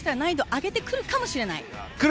上げてくるかもしれない。